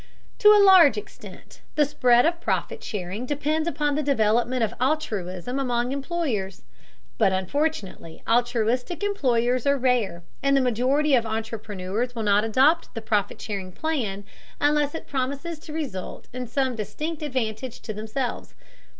To a large extent, the spread of profit sharing depends upon the development of altruism among employers. But unfortunately altruistic employers are rare, and the majority of entrepreneurs will not adopt the profit sharing plan unless it promises to result in some distinct advantage to themselves.